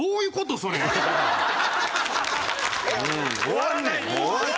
終われない！